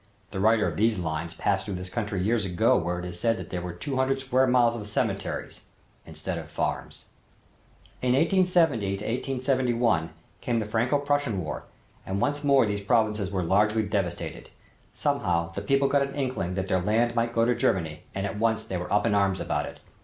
The writer of these lines passed through this country years ago where it is said that there were two hundred square miles of cemeteries instead of farms. In 1870 1871 came the Franco Prussian War and once more these provinces were largely devastated. Somehow the people got an inkling that their land might go to Germany and at once they were up in arms about it.